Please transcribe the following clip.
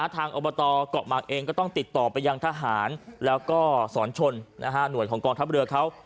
ทางอบตเกาะหมากเองก็ต้องติดต่อไปยังทหารแล้วก็สอนชนหน่วยของกองทัพเรือเขา